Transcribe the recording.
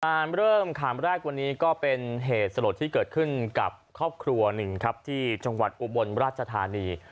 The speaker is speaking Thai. เริ่มขามแรกวันนี้ก็เป็นเหตุสลดที่เกิดขึ้นกับครอบครัวหนึ่งครับที่จังหวัดอุบลราชธานี